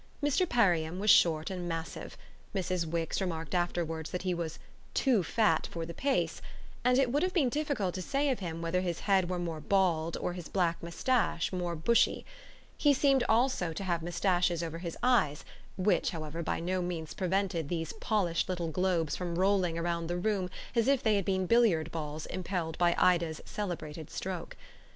Mr. Perriam was short and massive Mrs. Wix remarked afterwards that he was "too fat for the pace"; and it would have been difficult to say of him whether his head were more bald or his black moustache more bushy. He seemed also to have moustaches over his eyes, which, however, by no means prevented these polished little globes from rolling round the room as if they had been billiard balls impelled by Ida's celebrated stroke. Mr.